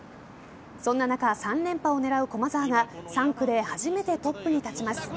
そんな中３連覇を狙う駒澤が３区で初めてトップに立ちます。